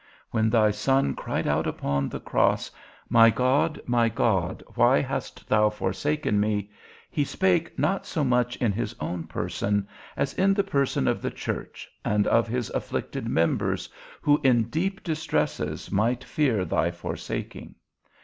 When thy Son cried out upon the cross, My God, my God, why hast thou forsaken me? he spake not so much in his own person, as in the person of the church, and of his afflicted members, who in deep distresses might fear thy forsaking.